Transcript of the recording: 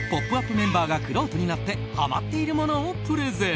メンバーがくろうとになってハマっているものをプレゼン！